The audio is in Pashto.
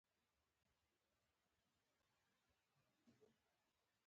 پاچا ځوان کدر په کار نه ګماري .